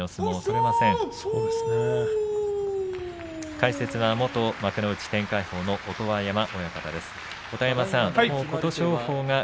解説は元天鎧鵬の音羽山親方です。